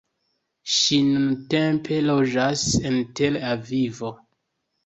Ŝi nuntempe loĝas en Tel Avivo.